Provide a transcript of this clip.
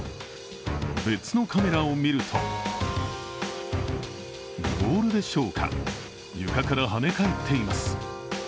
別のカメラを見るとボールでしょうか、床から跳ね返っています。